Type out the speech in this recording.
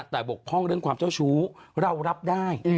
แต่บ่อความเจ้าชุขเรารับได้